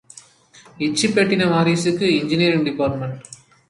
இச்சிப் பெட்டின வாரிக்கு engineering department.